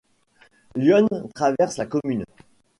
L'Yonne traverse la commune.